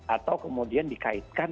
atau kemudian dikaitkan